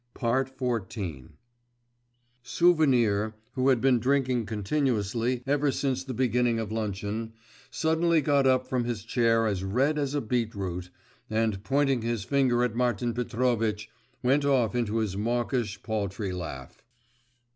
XIV Souvenir, who had been drinking continuously ever since the beginning of luncheon, suddenly got up from his chair as red as a beetroot, and pointing his finger at Martin Petrovitch, went off into his mawkish, paltry laugh.